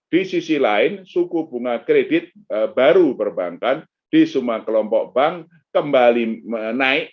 di sisi lain suku bunga kredit baru perbankan di semua kelompok bank kembali menaik